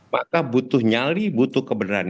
maka butuh nyali butuh kebenaran